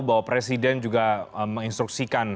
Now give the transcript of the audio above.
bahwa presiden juga menginstruksikan